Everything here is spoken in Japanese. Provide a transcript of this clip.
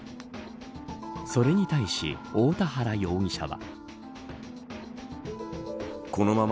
それに対し大田原容疑者は。